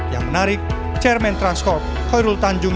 yang menarik chairman transport koirul tanjung